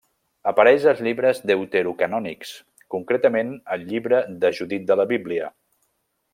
Apareix als llibres Deuterocanònics, concretament al Llibre de Judit de la Bíblia.